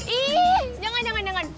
ih jangan jangan jangan